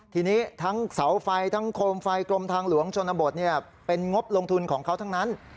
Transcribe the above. ทีนี้ทั้งเสาไฟทั้งโคมไฟกรมทางหลวงชนบทเป็นงบลงทุนของเขาทั้งนั้น